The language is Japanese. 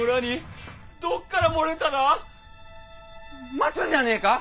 マツじゃねえか？